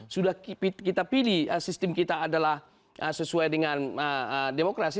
sudah kita pilih sistem kita adalah sesuai dengan demokrasi